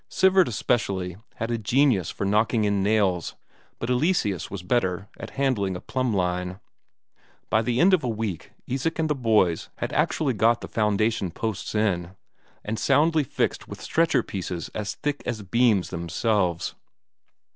Sivert especially had a genius for knocking in nails, but Eleseus was better at handling a plumb line. By the end of a week, Isak and the boys had actually got the foundation posts in, and soundly fixed with stretcher pieces as thick as the beams themselves.